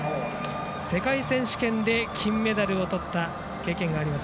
世界選手権で金メダルをとった経験があります。